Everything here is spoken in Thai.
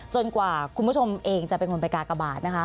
กว่าคุณผู้ชมเองจะเป็นคนไปกากบาทนะคะ